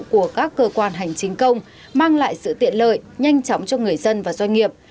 của các cơ quan hành chính công mang lại sự tiện lợi nhanh chóng cho người dân và doanh nghiệp